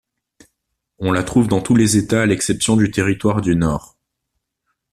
On la trouve dans tous les états à l'exception du Territoire du Nord.